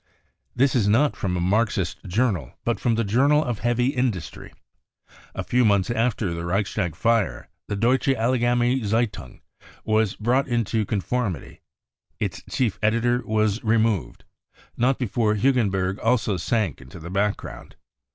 This is not from a Marxist journal, but from the journal of heavy industry. A few months after the Reichstag fire, the Deutsche Allgemeine Zeitmg was " brought into con formity." Its chief editor was removed ; not before Hugen berg also sank into the background.